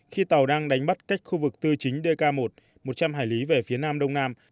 khi tàu đang đánh bắt cách khu vực tư chính dk một một trăm linh hải lý về phía nam đông nam